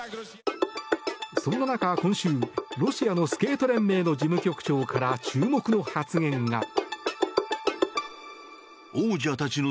そんな中、今週ロシアのスケート連盟の事務局長から注目の発言が。